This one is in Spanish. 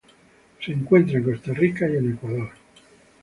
Se encuentra en Costa Rica y en Ecuador.